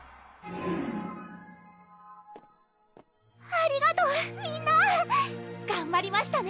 ありがとうみんながんばりましたね